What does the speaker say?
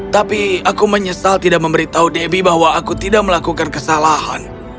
tapi aku menyesal tidak memberitahu debbie bahwa aku tidak melakukan kesalahan